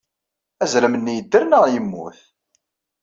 Azrem-nni yedder neɣ yemmut?